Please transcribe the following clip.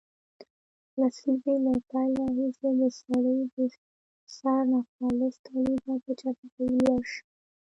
لسیزې له پیل راهیسې د سړي د سر ناخالص تولیدات په چټکۍ لوړ شوي